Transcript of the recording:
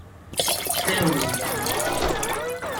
菜英文補習班